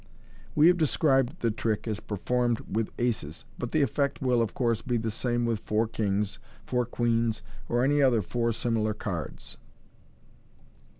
We have described the trick as performed with the aces, but the effect will, of course, be the same with four kings, four queens, or any other four similar cards.